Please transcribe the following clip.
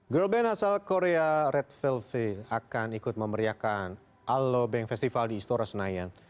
girlband asal korea red velvet akan ikut memeriakan allo bank festival di istora senayan